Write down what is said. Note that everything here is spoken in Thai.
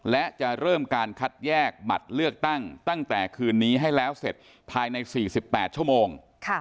และจะเริ่มการคัดแยกบัตรเลือกตั้งแต่คืนนี้ให้แล้วเสร็จภายใน๔๘ชั่วโมง